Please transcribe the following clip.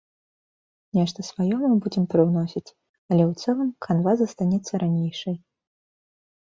Нешта сваё мы будзем прыўносіць, але ў цэлым канва застанецца ранейшай.